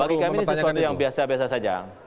bagi kami ini sesuatu yang biasa biasa saja